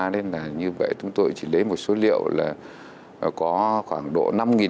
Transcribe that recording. nên là như vậy chúng tôi chỉ lấy một số liệu là có khoảng độ năm năm trăm linh